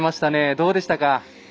どうでしたか？